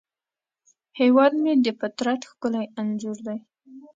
هیواد مې د فطرت ښکلی انځور دی